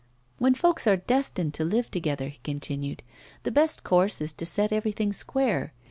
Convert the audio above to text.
'When folks are destined to live together,' he continued, 'the best course is to set everything square.